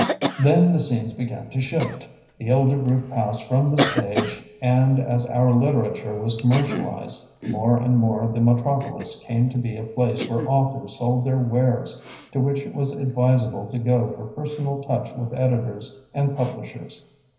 Then, the scene began to shift. The elder group passed from the stage and as our literature was commercialized, more and more the metropolis came to be a place where authors sold their wares, to which it was advisable to go for personal touch with editors and publishers.